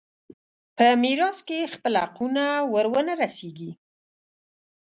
په میراث کې خپل حقونه ور ونه رسېږي.